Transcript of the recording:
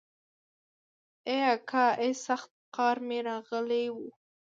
ای اکا ای سخت قار مې راغلی و.